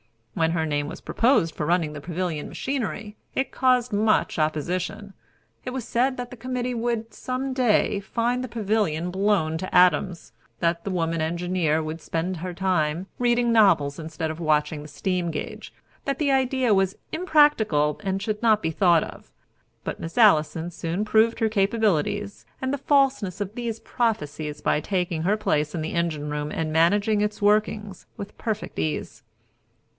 When her name was proposed for running the pavilion machinery, it caused much opposition. It was said that the committee would, some day, find the pavilion blown to atoms; that the woman engineer would spend her time reading novels instead of watching the steam gauge; that the idea was impracticable and should not be thought of. But Miss Allison soon proved her capabilities and the falseness of these prophecies by taking her place in the engine room and managing its workings with perfect ease.